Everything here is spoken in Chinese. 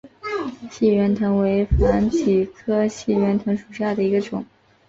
细圆藤为防己科细圆藤属下的一个种。